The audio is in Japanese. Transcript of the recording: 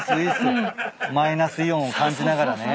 マイナスイオンを感じながらね。